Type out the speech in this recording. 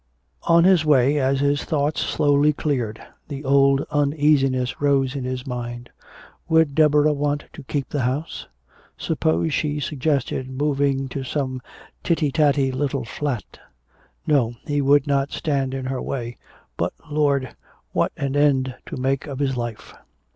On his way, as his thoughts slowly cleared, the old uneasiness rose in his mind. Would Deborah want to keep the house? Suppose she suggested moving to some titty tatty little flat. No, he would not stand in her way. But, Lord, what an end to make of his life.